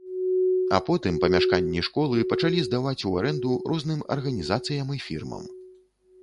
А потым памяшканні школы пачалі здаваць у арэнду розным арганізацыям і фірмам.